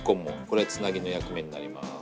これはつなぎの役目になります。